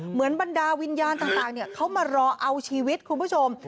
บรรดาวิญญาณต่างเขามารอเอาชีวิตคุณผู้ชม